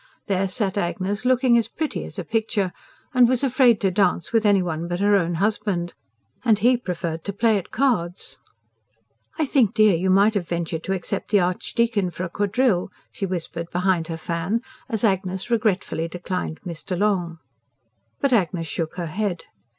There sat Agnes, looking as pretty as a picture, and was afraid to dance with any one but her own husband. And he preferred to play at cards! "I think, dear, you might have ventured to accept the Archdeacon for a quadrille," she whispered behind her fan, as Agnes regretfully declined Mr. Long. But Agnes shook her head.